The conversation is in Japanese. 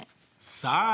さあ